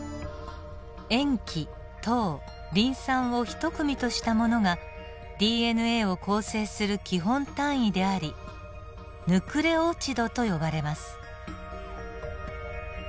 塩基糖リン酸を一組としたものがＤＮＡを構成する基本単位でありヌクレオチドと呼ばれます。